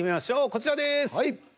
こちらです。